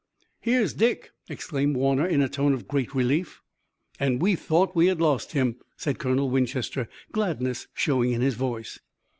"Here's Dick!" exclaimed Warner in a tone of great relief. "And we thought we had lost him," said Colonel Winchester, gladness showing in his voice.